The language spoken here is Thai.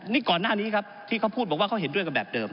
นี่ก่อนหน้านี้ครับที่เขาพูดบอกว่าเขาเห็นด้วยกันแบบเดิม